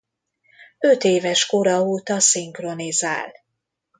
Ötéves kora óta szinkronizál.